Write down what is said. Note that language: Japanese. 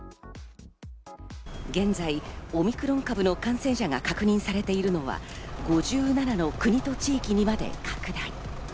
現在オミクロン株の感染者が確認されているのは５７の国と地域にまで拡大。